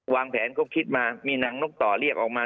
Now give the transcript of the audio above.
วางแผนก็คิดมามีนางนกต่อเรียกออกมา